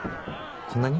こんなに？